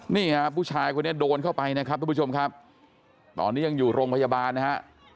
นี่ฮะผู้ชายคนนี้โดนเข้าไปนะครับทุกผู้ชมครับตอนนี้ยังอยู่โรงพยาบาลนะฮะ